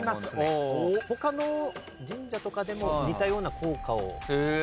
他の神社とかでも似たような効果を。